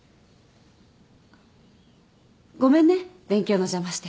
ごめんね勉強の邪魔して。